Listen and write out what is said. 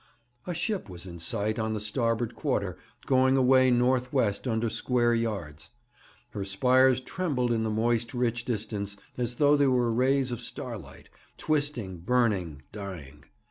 A ship was in sight on the starboard quarter, going away north west, under square yards. Her spires trembled in the moist, rich distance, as though they were rays of starlight, twisting, burning, dying.